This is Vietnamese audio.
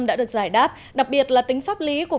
đã được giải đáp đặc biệt là tính pháp lý của việc tổ chức